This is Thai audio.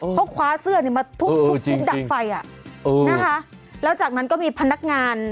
เออเขาคว้าเสื้อนี่มาทุกทิ้งดับไฟอะเออนะคะแล้วจากนั้นก็มีพนักงาน